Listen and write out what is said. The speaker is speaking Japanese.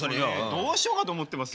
どうしようかと思ってますよ。